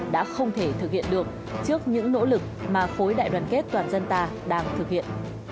đã không thể thực hiện được trước những nỗ lực mà khối đại đoàn kết toàn dân ta đang thực hiện